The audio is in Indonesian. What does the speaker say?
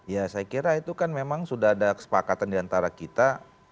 ya saya kira itu kan memang sudah ada kesepakatan diantara kita